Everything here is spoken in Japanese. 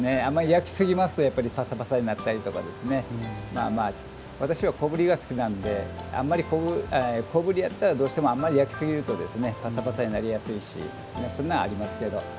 あまり焼きすぎますとやっぱりパサパサになったりとか私は小ぶりが好きなのであんまり小ぶりやったらどうしてもあんまり焼きすぎるとパサパサになりやすいしそんなのありますけど。